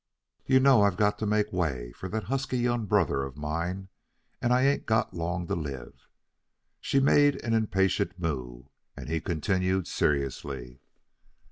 "You know I've got to make way for that husky young brother of mine, and I ain't got long to live." She made an impatient moue, and he continued seriously.